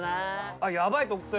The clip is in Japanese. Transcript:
あっやばい特製。